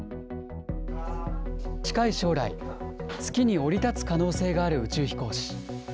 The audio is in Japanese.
近い将来、月に降り立つ可能性がある宇宙飛行士。